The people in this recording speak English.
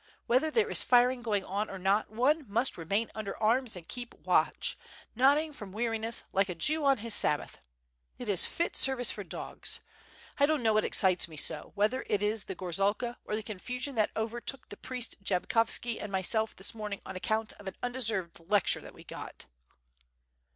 Whether there is firing going on or not, one must remain under arms and keep watch, nodding from weariness, like a Jew on his Sabbath. It is fit service for dogs! I don't know what excites me so, whether it is the gorzalka or the confusion that overtook the priest Jabkovski and myself this morning on account of an un deserved lecture that we got."